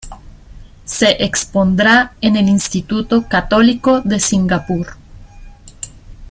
Se expondrá en el Instituto Católico de Singapur.